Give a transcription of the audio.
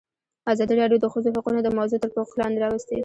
ازادي راډیو د د ښځو حقونه موضوع تر پوښښ لاندې راوستې.